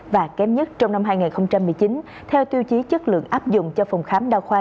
và kém nhất trong năm hai nghìn một mươi chín theo tiêu chí chất lượng áp dụng cho phòng khám đa khoa